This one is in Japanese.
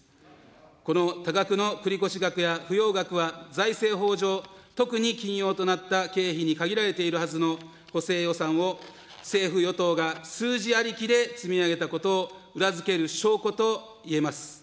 この多額の繰越額や不用額は、財政法上、特に緊要となった経費に限られているはずの補正予算を政府・与党が数字ありきで積み上げたことを裏付ける証拠といえます。